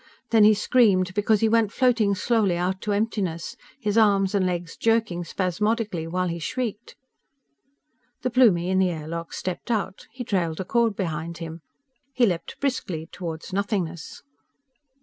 Then he screamed, because he went floating slowly out to emptiness, his arms and legs jerking spasmodically, while he shrieked ... The Plumie in the air lock stepped out. He trailed a cord behind him. He leaped briskly toward nothingness.